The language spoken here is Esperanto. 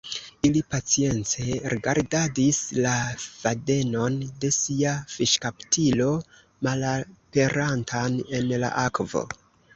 Ili pacience rigardadis la fadenon de sia fiŝkaptilo malaperantan en la akvo.